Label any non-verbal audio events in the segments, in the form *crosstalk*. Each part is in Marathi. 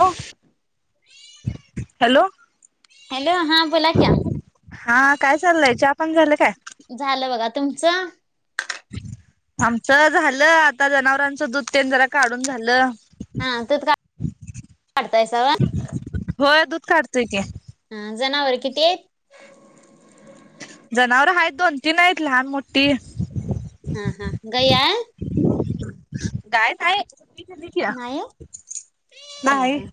हॅलो. *unintelligible* हॅलो हॅलो हा बोला क्या हा काय चाललंय चा पण झाल काय. झालं बघा तुमचं? आमचं झालं आता जनावरांचं दूध तेन जरा काढून झालं. हा त का काढताय साव होय दूध काढतोय की हा जनावर किती ये जनावर हायेत दोन तीन हायेत लहान मोठ हा हा गाई य काय ताई नाही हा नाही हा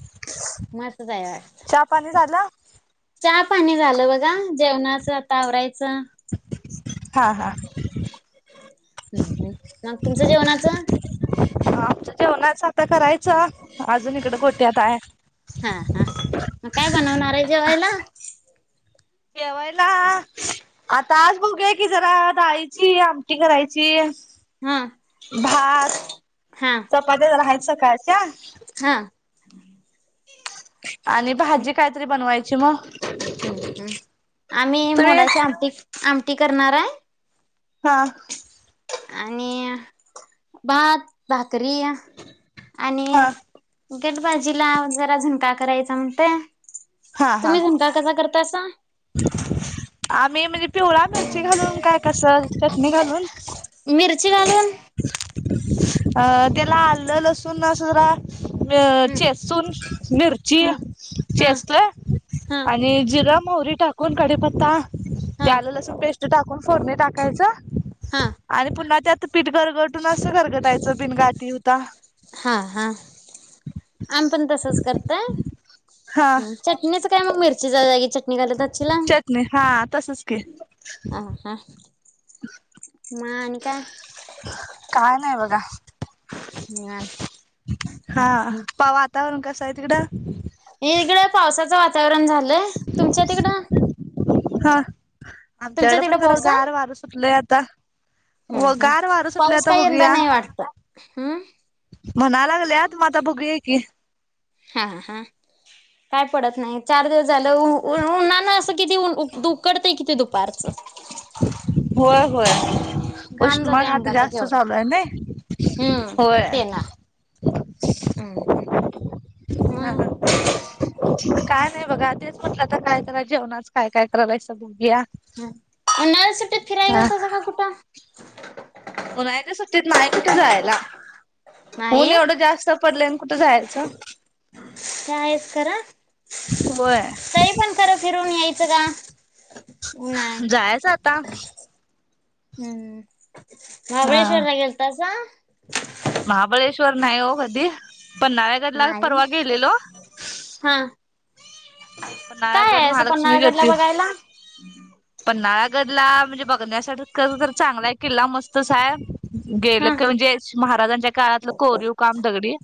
मस्तच आहे वाटत चहा पाणी झाला. चहा पाणी झालं बघा जेवणाचं आता आवरायचं च हा हा हम्म हम्म मग तुमचं जेवणाचं. आमचं जेवणाच आता कराय अजून इकड गोठ्यात आहे. हा हा मग काय बनवणार आहे जेवायला जेवायला. आता आज बूक नाही की जरा दाळीची आमटी करायची हा भात हा चपात्या जरा हायेत सकाळयच्या हा. आणि भाजी कायतरी बनवाय जमा्हा. *unintelligible* हम्म हम् आम्ही तुम्ही मोडा शमती. आमटी करणार आहे. हा. आणि भात भात. त्री आणि हा गेटबाजीला जरा अजून का करायच म्हणत. तुम्ही झुणका कसा करताा. आमही म्ह पिवळा मिरची घालून काय कस चटणी घालून. मिरची घालून अ त्याला आललंलसून ना सु जरा. ह चेसून मिरची ह ह चेसले आणि जिरम. मोहरी टाकन कडे पता. ह त्यालं लसण पेस्ट टाकून फोडणे टाकायच हा आणि पुन्हा त्यात. पीठ कर कटून असं खरगटायचं पिनघाती होता. आम पण तसच करत हा च. काय मग मिरची. निघालतातचील. तसंच क. ह हा मान का. काय नाही बघा हा पवाता. तिकड. हेगळ पावसाचं वातावरण झालं. तुमच्या तिकडं? हा. तुमच्या आमच्याकड तिकडं पण जरा पाऊस हाय? गार वार सुटलं. कत्ता. हम्म हम् पाऊस काय यंदा नाही वाटत हम्म? म्हणाय लागल्या आत म आता बघ की. हा हा काय पडत नाही चार दिवस झालं उन्हाना. कितीन उकडतं किती दुपारच. होय होय घाम जाते उष्माघात आता अंगाचा जास्त केवढा. चालू आहे नाही हम्म होय ते ना हम्म हम्. ह काय नाही बघा तेच म्हटलं आता काय तर जेवणाच काय काय करायलायसा बघूया. हम *unintelligible* ते फिराय हा गेलतासा का कुठं? *inaudible* उन्हाळ्याच्या सुट ट्टीत नाही कुठ जायला, ऊन नाही एवढं जास्त पडलंय आणि कुठं जायचं. ते आहेच खरं होय. च जरा. जायच आता. हम्म महाबळेश्वरला गेलतासा? महाबळेश्व श्वर नाही वो कधी. पन्हाळगड ला नाही परवा गेलेलो. हा काय पन्हाळगड, आहे असं महालक्ष्मी, पन्हाळगडला जोती बघायला? पन्हाळगड ला म्हणजे बघण्यासाठी खर तर चांगलाय, किल्ला मस्तच आहे. गेलं हा की म्हणजे महाराजांच्या काळातलं कोरीव काम दगडी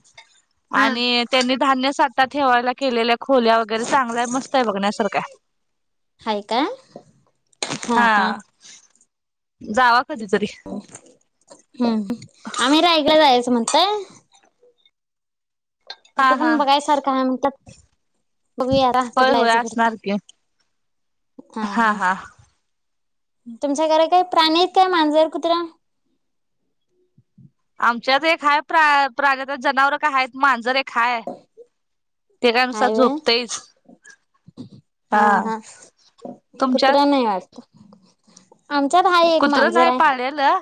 हा आणि त्यांनी धान्य सा ठेवायला केलेल्या खोल्या वगैरे चांगल्या आह मस्त आहे बघण्यासारखं. हाय काय? हा हा. जावा कधीतरी हम्म. आम्ही रायगड जायच म्हण तोय. हा तिथं पण हा बघायसारखं हाय म्हनत्यात, बघूया आता कधी होय होय जायचं घडतय. असणार की हा हा. तुमच्याकडे काय प्राणी आहेत काय मांजर, कुत्र? आमच्यात एक हाय प्र प्राणी, आणि जनावर काय हायत. मांजर एक हाय ते काय नुसता हाय व्हय झोपतईच. हा कुत्रा तुमच्यात? नाही *inaudible* आमच्यात हाय एक कुत्र मांजर नाही हाय. पाळलेलं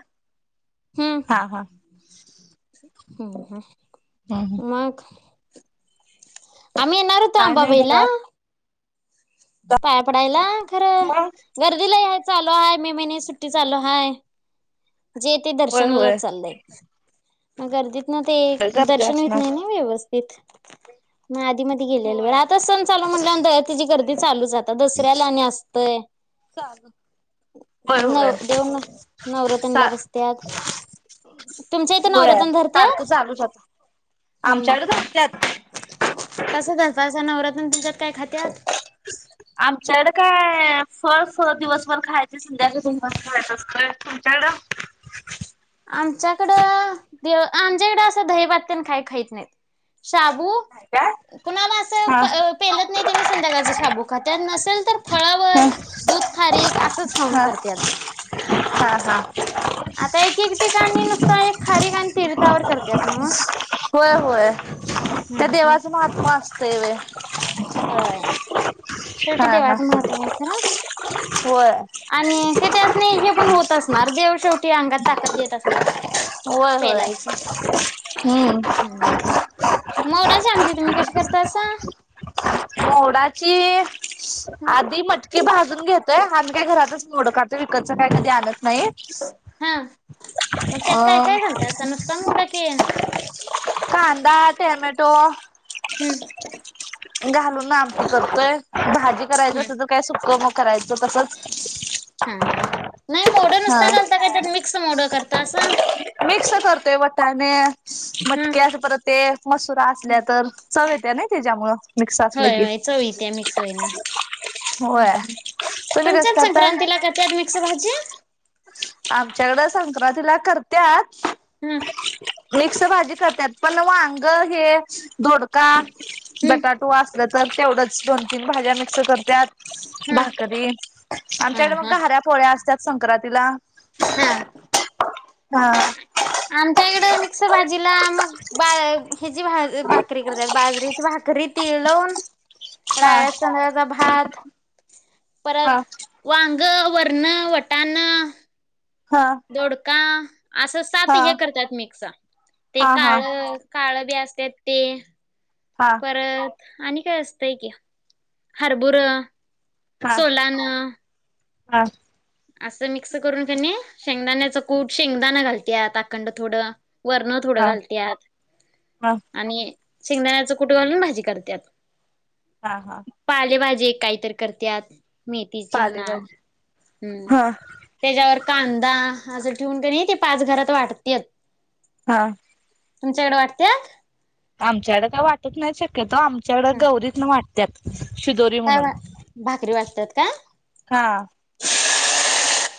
हा हा. हम्म हम. मग? आम्ही येणार होतो काय नाही आंबाबाईला, बघा पाया पडायला. खरं गर्दी लय हाय चालू हाय, मे महिने सुट्टी चालू हाय, जे ते होय होय दर्शनालाच चाललंय. अगरदी ना ते गर्दी दर्शन होेत असणार. नाही ना व्यवस्थ यथ मग आीध्ये गेले होय आताच सण चाल म्हणल्याची करत चालूात आता दुसऱ्यालाणी असतंय चालू होय होय नव देव सा नवरातनला बसत तुमच्या इथं होय नवरत्न धरते सारखं चालूच आता हम्म आमच्याकडे करत्यात. कस करत असं नवरातन तुमच्यात काय खात्यात आमच्याकडे काय फळ फ दिवसभर खायचे संध्याकाळी मस्तत असत तुमच्याकड आमच्याकडं आमच्याकडे असं दही पात्या खही खायत नाहीत शबू नाही काय? कोुणाम हा पहि तने चिंता काू खत्यात नसेल तर फळावर हा दूध खारीक असंच खाऊन हा करत हा हा आता एक कि का आणि नुसतं खारे का आणि तीर्थावर करते ना होय होय. त्या देवाच महात्मा असत तेवे हो शेवटी हा देवाचं महत्व आहे खरा वर आणि तेथ अस नाही हे पण होत असणार देव शेवटी ते अंगात ताकद देत असणार होय होय पेलायची हम्म मोडा शमती तुम्ही कशी करता असा मोडाची आधी मटकीे भाजून घेतं आज काय घरातच मोडं काढतोय, विकतच काय? कधी आणतं नाही. *unintelligible* मग त्यात काय अ काय घालतासा, नुसता मोड की, कांदा, टेमँटो घालून ना आमटी करतोय, भाजी *unintelligible* सुक्क मुग करायचं. तसंच ह ह नाही मोड हा नुसता घालता काय? मिक्स मोड करतासा मिक्स करतोय बटाणे हा मटके असं परत ते मसुरा असल्या तर चव येत्या, ना त्याच्यामुळं मिक्स असं, होय की होय चव येत्या मिक्स होईना होय तुम्ही कसं तुमच्यात करतात? संक्रांतीला करत्यात मिक्स भाजी आमच्याकडे सांग *unintelligible* त्यात हम मिक्स भाजी करत्यात पण वांग हे दोडका, हम्म बटाटो असलं, तर तेवढंच दोन तीन भाज्या मिक्स करत्यात. हम्म भाकरी हा आमच्याकडे हा मग घाऱ्या पोळ्या असत्यात. संक्रांती ला हा हा आमच्या इकडं मिक्स भाजी तिला, मग बाजरीची भाकरी करत्यात बाजरीची भाकरी तिळ लावून हा राळ्याच्या तांदळाचा भात हा परत वांग वरण, वटाण हा का असं सात हा हे करत्यात, मिक्स ते हा हा काळ काळ बी अस ते ते हा हा परत आणि काय? असतंय कि हरबुर हा सोलान हा असं मिक्स करून कनी शेंगदाण्याचं कूड शेंगदाणा घालते आ आाखंड थोडं. वर्ण थोडं घालतेत हा आणि शेंगदाण्याच कुठे घलून भाजी करतात. हा हा. जे काहीत करतत. मेथीची म्हणा. पालेभाजी हा त्याच्यावर कांदा. असं ठेवून का नाही पाच घरात वाटतात. हा. तुमच्याकडे वाटतात. आमच्याकड का वाटत नाही शक्यतो आ त्याच्याकडं गौरीत न वाट त्यात काय वा भाकरी वाटतात का.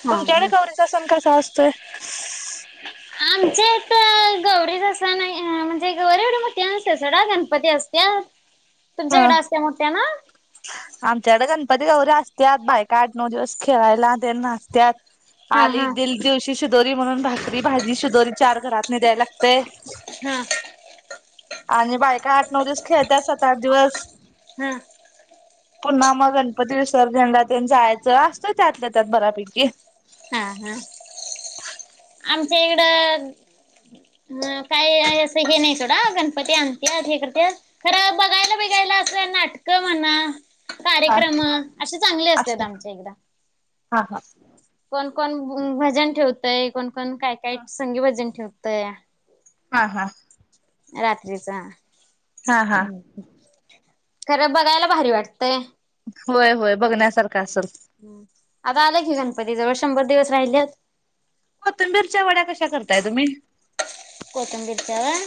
हा तुमच्या कडे हा. गौरीचा सण कसा असतोय. आमच्या इथ गौरी जस नाही, म्हणजे गौरी एवढी मोठी नते, सडा गणपती असत्यात. तुमच्याकडे असते मोठ्या ना. आमच्याड गणपती गौऱ्या असत्याात, बायक आठ नऊ दिवस खेळायला ते नाचत्याात. हा आली हा. दिल दिवशी सु दरी म्हणून भाकरी. भाजी शिदोरी चार घरातली द्यायला लागते. ह आणि बायका आठ नऊ दिवस, खेळत सात आठ दिवस. हा. पुन्हा मग गणपती विसर्जनला त्यां जायचं, असतं त्यातल्या त्यात बऱ्यापैकी. हा हा आमच्या इकडं अ काय असं हे नाही, सोडा गणपती आणत्यात हे करत्यात, खरं बघायला बिघायला असं नाटकं म्हणा. हा. कार्यक्रम असे चांगले असत, आमचे इकडं. हा हा. कोण कोण भजन ठेवतय कोण पण काय काय संगी भजन ठेवत तेया हा हा. रात्रीचा. हा अ हा खरं बघायला भारी वाटतंय. होय होय बघण्यासारखं. असेल. आता आलं कि, गणपती जवळ श शंभर दिवस राहिलेत. कोथिंबीरच्या वड्या कशा करताय तुम्ही. कोथंबीरच वय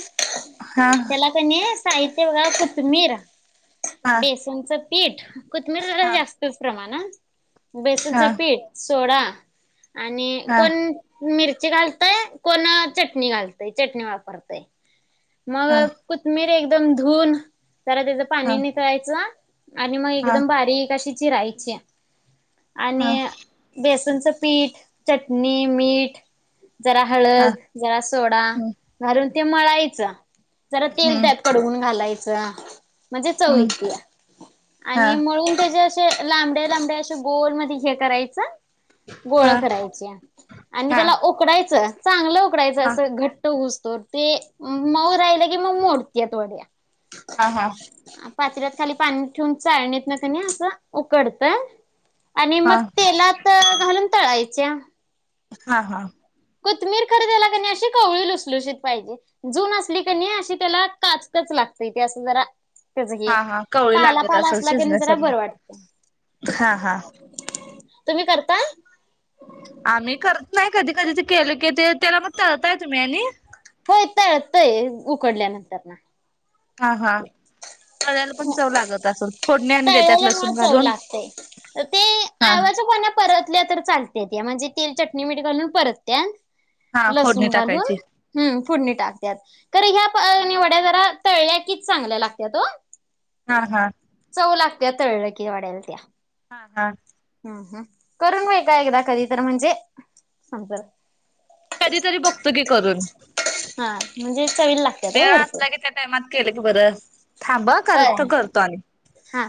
हा त्याला कनाय साहित्य बघा. कोथमीर.. हा बेसनच पीठ कोथबिरीला हा जास्तच प्रमाणात व *inaudible* हा बेसनचं हा पीठ सोडा. आणि हा कोण मिर *unintelligible* घालतय कोणा चटणी घालत. ते चटणी वापरतेय. मग हा कुथमिर एक एकदम धुून जरा त्याचं पाणी नि कळायचं. आणि मग हा एकदम बारीक अशी चिरायचे हा आणि बेस तुमचं पीठ चटणी मीठ जरा हा हळद जरा सोडा हम्म घरून ते मळायचं जरा तेल हम्म त्यात कडवून घालायचं. जाहा *unintelligible* म्हणजे चव हम्म येतीय हा आणि म्हणून त्याच्या लांबड्या लांबड्या अे गोल मध्ये हे करायचं. हा गोळ करायची आणि हा त्याला उकडायचं. चांगलं पकायचं हा असं घट घसतो ते मऊ राहिलं की मग मोडते थोड्या. हा हा. पाचऱ्यात खाली पाणी ठेऊून चाळणी न क नाही असं उकडतंय आणि मग तेला तर घालून तळायच्या हा हा कोथमीर खर त्याला कणी अशी कवळी लुसलुशीत पाहिजे जून असली कणी अशी त्याला काचकच लागते इ ते असं जरा त्याच हा हे हा कवळी पाला लागत पाला असं असला कणी जरा शिजण्यासाठीार बरं वाटतय. हा हा तुम्ही करता आम्ही करत नाही कधी कधी ते केले की ते त्याला मग तळताय तुम्ही आणि होय तळतय उकडल्यानंतर ना हा हा चळायला पण चव लागत असल तळल्यामुळे चव लागते ते हा आवळाच्या पाणा परत तर चालत म्हणजे ते चट मठ घालून परत्या हा फोडणी लसूण घालून टाकायची हम् फोडणी टाकत्यात खर ह्या निवड्या जरा तळ्या कीच चांगल्या लागत्या ओ हा हा चऊ लागत तळ कि वाड्याला त्या हा हा ह ह करून बयगा का एकदा कधी तर म्हणजे समजल कधीतरी बघतो की करून हा म्हणजे चवी लाग त्यात भरप केलकी बर थांबा करत करतो आणि हा.